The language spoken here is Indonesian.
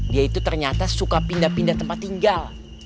dia itu ternyata suka pindah pindah tempat tinggal